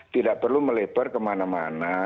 tidak perlu melebar kemana mana